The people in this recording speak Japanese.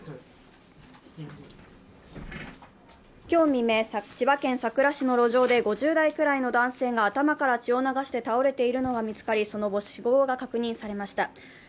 今日未明、千葉県佐倉市の路上で５０代くらいの男性が頭から血を流して倒れているのが見つかりその後、死亡が確認されました。